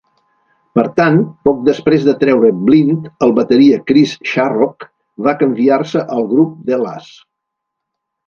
Per tant, poc després de treure "Blind", el bateria Chris Sharrock va canviar-se al grup The La's.